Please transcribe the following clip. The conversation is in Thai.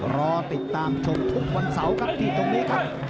รอติดตามชมทุกวันเสาร์ครับที่ตรงนี้ครับ